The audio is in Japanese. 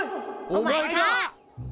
お前か！